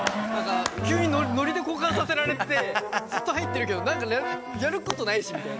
急にノリで交換させられてずっと入ってるけど何かやることないしみたいな。